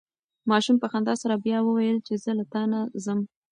ماشوم په خندا سره بیا وویل چې زه له تا نه ځم.